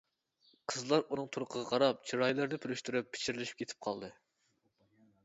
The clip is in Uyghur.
قىزلار ئۇنىڭ تۇرقىغا قاراپ چىرايلىرىنى پۈرۈشتۈرۈپ پىچىرلىشىپ كېتىپ قالدى.